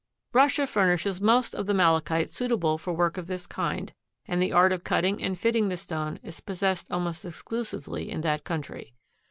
Russia furnishes most of the malachite suitable for work of this kind and the art of cutting and fitting the stone is possessed almost exclusively in that country.